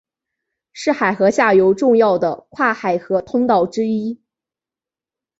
是海河下游重要的跨海河通道之一。